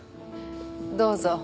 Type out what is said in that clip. どうぞ。